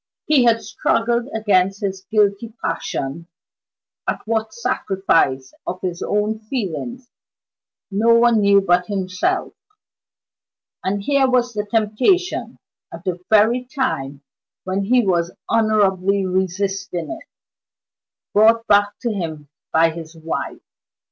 He had struggled against his guilty passion at what sacrifice of his own feelings no one knew but himself and here was the temptation, at the very time when he was honorably resisting it, brought back to him by his wife!